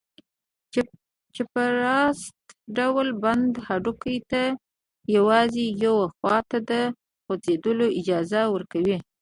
چپراست ډوله بند هډوکي ته یوازې یوې خواته د خوځېدلو اجازه ورکوي.